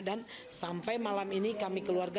dan sampai malam ini kami keluarga